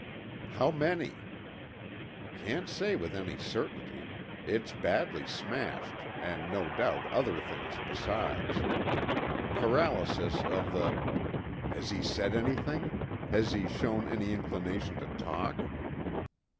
"How many?" "Can't say with any certainty. It's badly smashed, and no doubt other things besides. Paralysis of the " "Has he said anything? Has he shown any inclination to talk?"